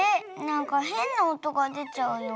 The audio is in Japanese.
なんかへんなおとがでちゃうよ。